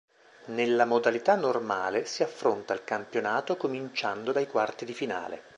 Nella modalità normale si affronta il campionato cominciando dai quarti di finale.